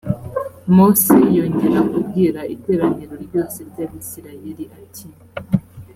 mose yongera kubwira iteraniro ryose ry’abisirayeli ati